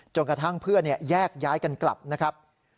กระทั่งเพื่อนแยกย้ายกันกลับนะครับ